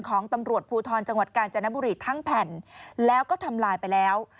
ของตำรวจภูทรจังหวัดกาญจนบุรีทั้งแผ่นแล้วก็ทำลายไปแล้ว